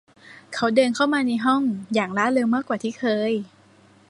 เขาเดินเข้ามาในห้องอย่างร่าเริงมากกว่าที่เคย